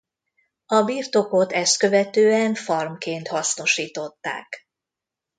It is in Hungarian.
A birtokot ezt követően farmként hasznosították.